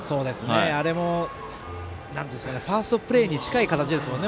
あれもファーストプレーに近い形ですもんね。